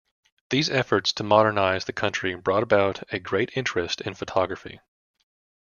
These efforts to modernize the country brought about a great interest in photography.